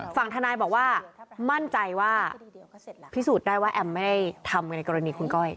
ฝั่งทนายบอกว่ามั่นใจว่าพิสูจน์ได้ว่าแอมไม่ได้ทำกันในกรณีคุณก้อย